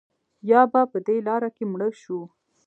یا به په دې لاره کې مړه شو.